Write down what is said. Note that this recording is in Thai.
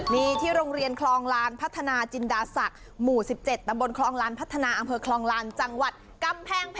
นี่ที่โรงเรียนคลองลานพัฒนาจินดาศักดิ์หมู่๑๗ตำบลคลองลานพัฒนาอำเภอคลองลานจังหวัดกำแพง